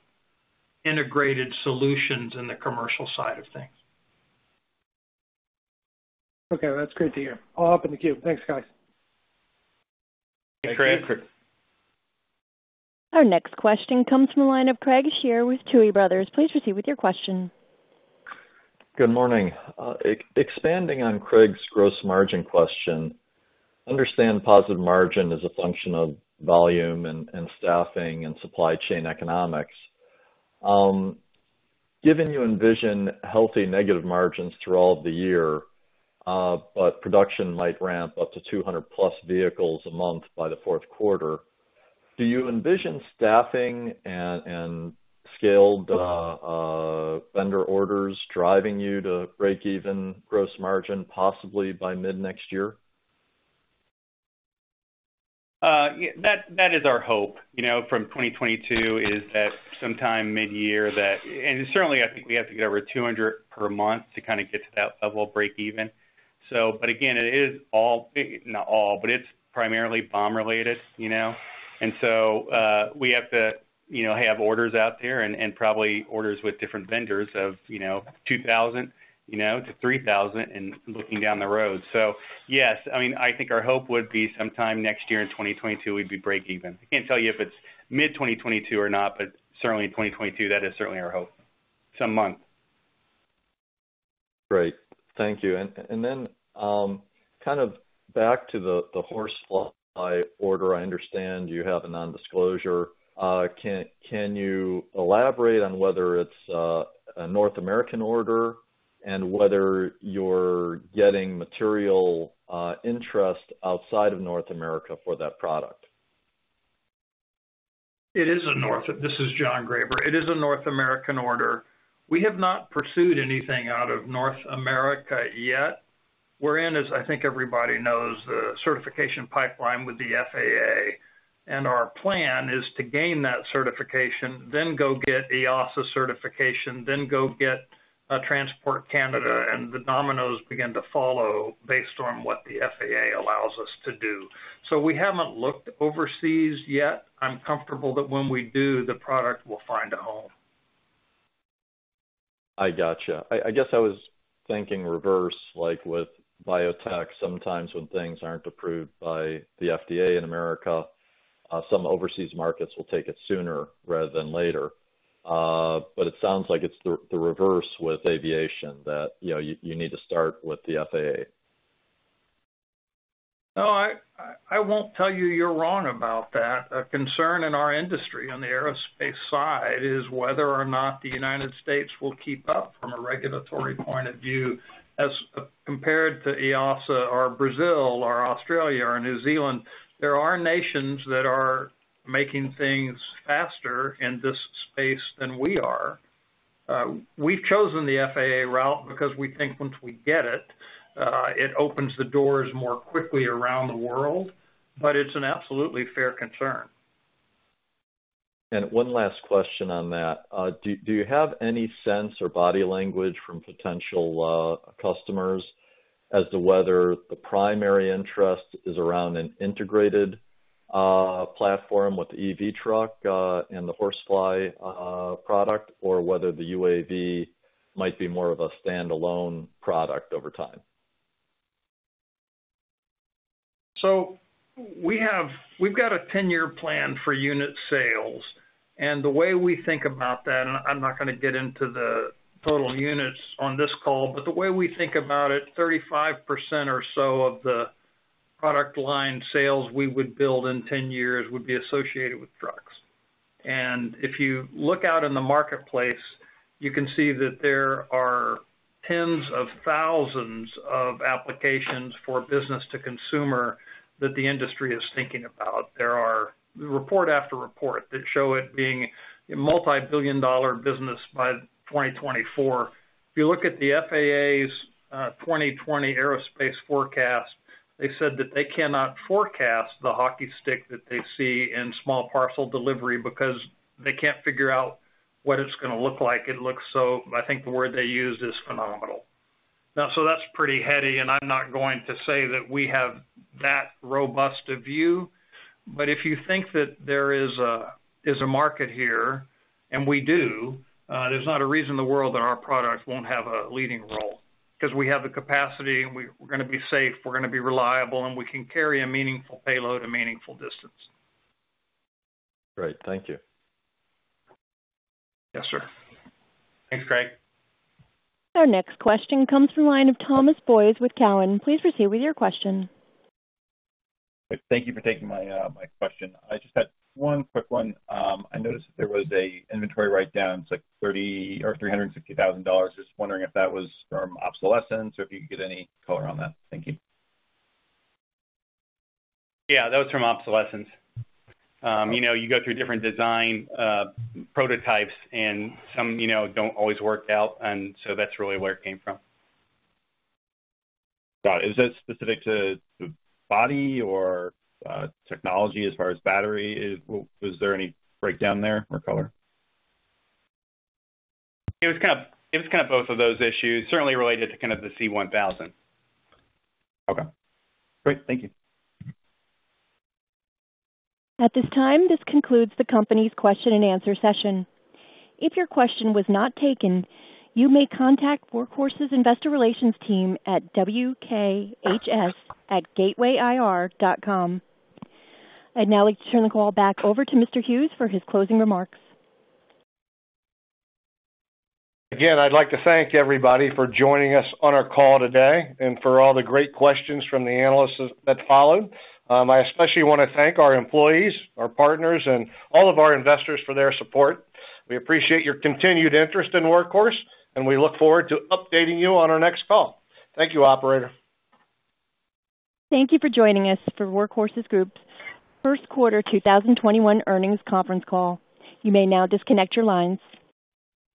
Speaker 6: integrated solutions in the commercial side of things.
Speaker 11: Okay. Well, that's great to hear. I'll hop in the queue. Thanks, guys.
Speaker 3: Thank you.
Speaker 1: Our next question comes from the line of Craig Shere with Tuohy Brothers. Please proceed with your question.
Speaker 12: Good morning. Expanding on Craig's gross margin question, understand positive margin is a function of volume and staffing and supply chain economics. Given you envision healthy negative margins throughout the year, but production might ramp up to 200 plus vehicles a month by the fourth quarter, do you envision staffing and scaled vendor orders driving you to break even gross margin possibly by mid-next year?
Speaker 3: That is our hope. From 2022 is that sometime mid-year, I think we have to get over 200 per month to kind of get to that level break even. Again, it is all, not all, but it's primarily BOM related. We have to have orders out there and probably orders with different vendors of 2,000 to 3,000 and looking down the road. Yes, I think our hope would be sometime next year in 2022, we'd be break even. I can't tell you if it's mid-2022 or not, certainly in 2022, that is certainly our hope.
Speaker 12: Great. Thank you. Kind of back to the HorseFly order. I understand you have a non-disclosure. Can you elaborate on whether it's a North American order and whether you're getting material interest outside of North America for that product?
Speaker 6: This is John Graber. It is a North American order. We have not pursued anything out of North America yet. We're in, as I think everybody knows, the certification pipeline with the FAA. Our plan is to gain that certification, then go get EASA certification, then go get Transport Canada. The dominoes begin to follow based on what the FAA allows us to do. We haven't looked overseas yet. I'm comfortable that when we do, the product will find a home.
Speaker 12: I got you. I guess I was thinking reverse, like with biotech, sometimes when things aren't approved by the FDA in America, some overseas markets will take it sooner rather than later. It sounds like it's the reverse with aviation, that you need to start with the FAA.
Speaker 6: No, I won't tell you you're wrong about that. A concern in our industry on the aerospace side is whether or not the United States will keep up from a regulatory point of view as compared to EASA or Brazil or Australia or New Zealand. There are nations that are making things faster in this space than we are. We've chosen the FAA route because we think once we get it opens the doors more quickly around the world. It's an absolutely fair concern.
Speaker 12: One last question on that. Do you have any sense or body language from potential customers as to whether the primary interest is around an integrated platform with the EV truck, and the HorseFly product, or whether the UAV might be more of a standalone product over time?
Speaker 6: We've got a 10-year plan for unit sales. The way we think about that, and I'm not going to get into the total units on this call, but the way we think about it, 35% or so of the product line sales we would build in 10 years would be associated with trucks. If you look out in the marketplace, you can see that there are tens of thousands of applications for business to consumer that the industry is thinking about. There are report after report that show it being a multibillion-dollar business by 2024. If you look at the FAA's 2020 aerospace forecast, they said that they cannot forecast the hockey stick that they see in small parcel delivery because they can't figure out what it's going to look like. It looks so, I think the word they used is phenomenal. That's pretty heady, and I'm not going to say that we have that robust a view. If you think that there is a market here, and we do, there's not a reason in the world that our products won't have a leading role because we have the capacity, and we're going to be safe, we're going to be reliable, and we can carry a meaningful payload a meaningful distance.
Speaker 12: Great. Thank you.
Speaker 6: Yes, sir.
Speaker 3: Thanks, Craig.
Speaker 1: Our next question comes from the line of Thomas Boyes with Cowen. Please proceed with your question.
Speaker 13: Thank you for taking my question. I just had one quick one. I noticed that there was an inventory write-down. It's like $30 or $350,000. Just wondering if that was from obsolescence or if you could give any color on that. Thank you.
Speaker 3: Yeah, that was from obsolescence. You go through different design prototypes, and some don't always work out. That's really where it came from.
Speaker 13: Got it. Is that specific to body or technology as far as battery? Is there any breakdown there or color?
Speaker 3: It was kind of both of those issues, certainly related to kind of the C-1000.
Speaker 13: Okay, great. Thank you.
Speaker 1: At this time, this concludes the company's question and answer session. If your question was not taken, you may contact Workhorse's investor relations team at wkhs@gatewayir.com. I'd now like to turn the call back over to Mr. Hughes for his closing remarks.
Speaker 4: Again, I'd like to thank everybody for joining us on our call today and for all the great questions from the analysts that followed. I especially want to thank our employees, our partners, and all of our investors for their support. We appreciate your continued interest in Workhorse, and we look forward to updating you on our next call. Thank you, operator.
Speaker 1: Thank you for joining us for Workhorse Group's first quarter 2021 earnings conference call. You may now disconnect your lines.